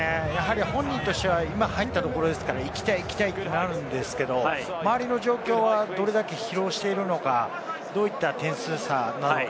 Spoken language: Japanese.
本人としては今入ったところですから、行きたい行きたいってなるんですけれども、周りの状況はどれだけ疲労しているのか、どういった点数差なのか。